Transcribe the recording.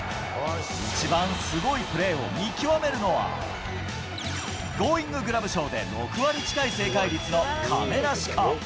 一番すごいプレーを見極めるのは、ゴーインググラブ賞で６割近い正解率の亀梨か？